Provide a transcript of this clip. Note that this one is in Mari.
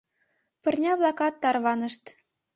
Пырня-влакат тарванышт.